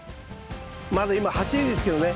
まだ今はしりですけどね。